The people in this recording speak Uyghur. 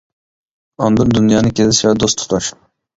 ئاندىن دۇنيانى كېزىش ۋە دوست تۇتۇش.